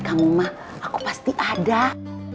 kalo buat kannonashed iti ada insyaallah enggak